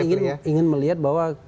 saya ingin melihat bahwa